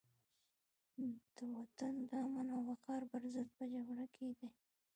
د وطن د امن او وقار پرضد په جګړه کې دي.